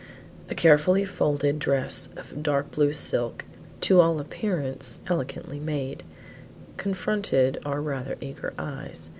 A carefully folded dress of dark blue silk, to all appearance elegantly made, confronted our rather eager eyes.